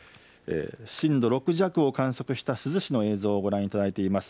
震度６弱を観測した珠洲市の映像をご覧いただいています。